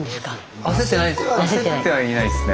焦ってはいないですね。